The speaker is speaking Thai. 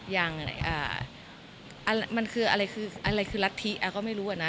อย่างอะไรคือลัทธิไม่รู้นะ